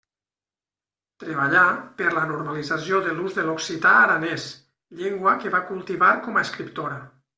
Treballà per la normalització de l'ús de l'occità aranès, llengua que va cultivar com a escriptora.